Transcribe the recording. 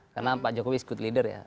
karena pak jokowi is good leader ya